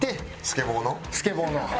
スケボーの。